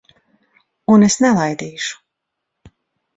Un es nelaidīšu.